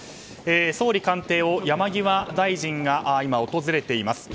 総理官邸を山際大臣が今、訪れています。